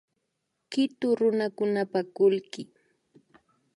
Kitu runakunapa kullki